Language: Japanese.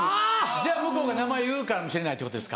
じゃあ向こうが名前言うかもしれないってことですか。